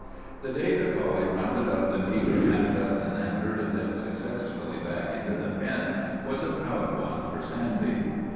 The day the collie rounded up the meager half dozen and herded them successfully back into the pen was a proud one for Sandy.